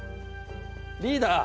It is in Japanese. リーダー！